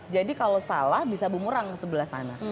jadi kalau salah bisa bumerang ke sebelah sana